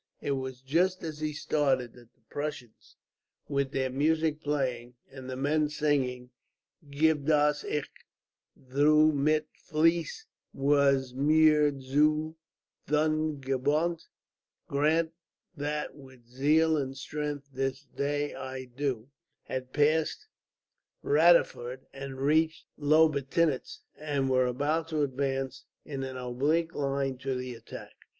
It was just as he started that the Prussians with their music playing, and the men singing: Gieb dass ich thu mit fleiss was mir zu thun gebuhret (Grant that with zeal and strength this day I do) had passed Radaxford and reached Lobetintz, and were about to advance in an oblique line to the attack.